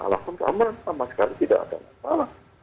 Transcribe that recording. kalau dia batalkan standar alat pun sama sekali tidak ada masalah